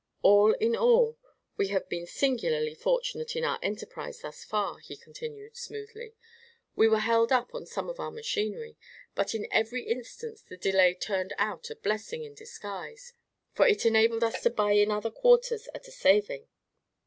"All in all, we have been singularly fortunate in our enterprise thus far," he continued, smoothly. "We were held up on some of our machinery, but in every instance the delay turned out a blessing in disguise, for it enabled us to buy in other quarters at a saving."